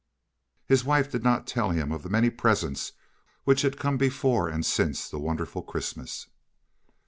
His wife did not tell him of the many presents which had come before and since the wonderful Christmas.